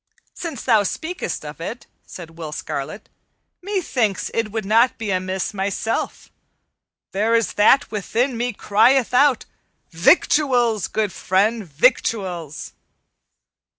"Since thou speakest of it," said Will Scarlet, "methinks it would not be amiss myself. There is that within me crieth out, 'Victuals, good friend, victuals!'"